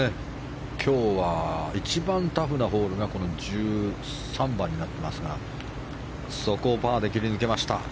今日は一番タフなホールがこの１３番になっていますがそこをパーで切り抜けました。